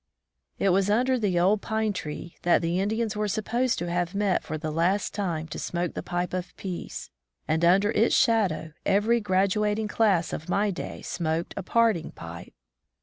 It was under the Old Pine Tree that the Indians were supposed to have met for the last time to smoke the pipe of peace, and under its shadow every graduating class of my day smoked a parting pipe.